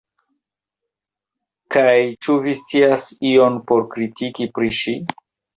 Kaj ĉu vi scias ion por kritiki pri ŝi?